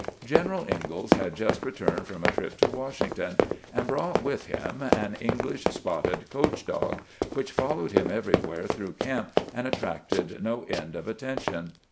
General Ingalls had just returned from a trip to Wash ington, and brought with him an English spotted coach dog, which followed him everywhere through camp, and attracted no end of attention.